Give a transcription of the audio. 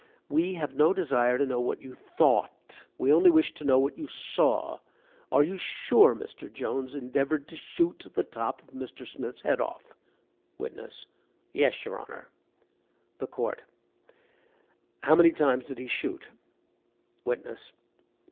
"We have no desire to know what you thought; we only wish to know what you saw. Are you sure Mr. Jones endeavored to shoot the top of Mr. Smith's head off?" WITNESS. "Yes, your Honor." THE COURT. "How many times did he shoot?" WITNESS.